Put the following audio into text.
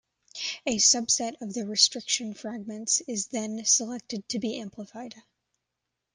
A subset of the restriction fragments is then selected to be amplified.